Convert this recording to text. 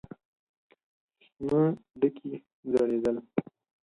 شنه ډکي ځړېدل.